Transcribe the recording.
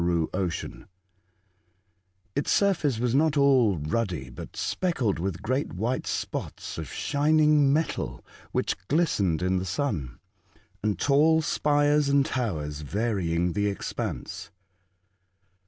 Its surface was not all ruddy, but speckled with great white spots of shining metal, which glistened in the sun, and tall spires and towers varying the expanse.